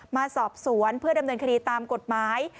มาสอบสวนเพื่อดำเนินคดีตามกฎหมาย